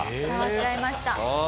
伝わっちゃいました。